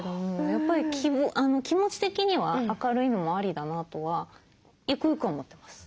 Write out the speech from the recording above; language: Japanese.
やっぱり気持ち的には明るいのもありだなとはゆくゆくは思ってます。